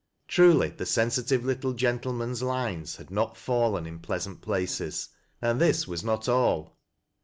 Truly the sensitive little gentleman's lines had not fallen in pleasant places. And this was not all.